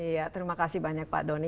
iya terima kasih banyak pak doni